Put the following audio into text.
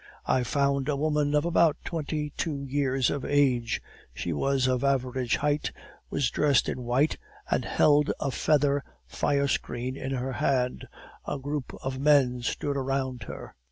"I found a woman of about twenty two years of age; she was of average height, was dressed in white, and held a feather fire screen in her hand; a group of men stood around her.